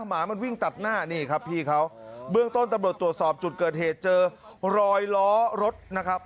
หมามันวิ่งตัดหน้านี่ครับพี่เขาเบื้องต้นตำรวจตรวจสอบจุดเกิดเหตุเจอรอยล้อรถนะครับ